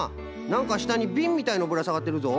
なんかしたにビンみたいのぶらさがってるぞ。